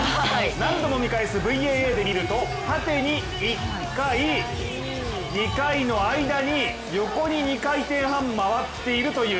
何度も見返すＶＡＡでみると縦に１回の間に横に２回転半回っているという。